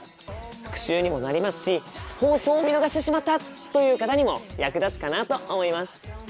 復習にもなりますし放送を見逃してしまったという方にも役立つかなと思います。